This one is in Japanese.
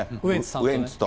ウエンツさんと？